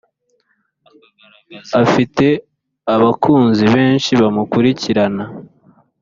Afite abakunzi benshi bamukurikirana